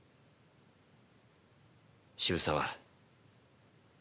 渋沢